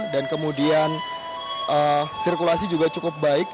dan kemudian sirkulasi juga cukup baik